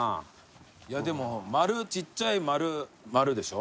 いやでも丸ちっちゃい丸丸でしょ？